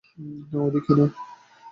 না, ওদিকে না।